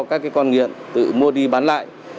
các cái con nghiện tự mua đi bán lại